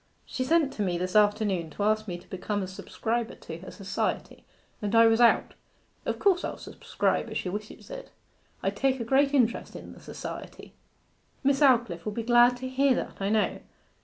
She sent to me this afternoon to ask me to become a subscriber to her Society, and I was out. Of course I'll subscribe if she wishes it. I take a great interest in the Society.' 'Miss Aldclyffe will be glad to hear that, I know.